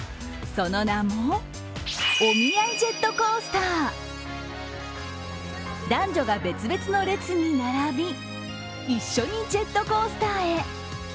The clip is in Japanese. その名もＯｍｉａｉジェットコースター男女が別々の列に並び一緒にジェットコースターへ。